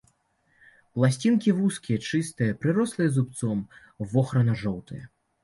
Пласцінкі вузкія, чыстыя, прырослыя зубцом, вохрана-жоўтыя.